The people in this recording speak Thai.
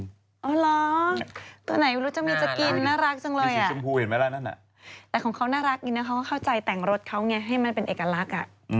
อ๋อเหรอตัวไหนรู้จะมีจะกินน่ารักจังเลยอ่ะแต่ของเขาน่ารักเนี่ยเขาก็เข้าใจแต่งรสเขาไงให้มันเป็นเอกลักษณ์อ่ะ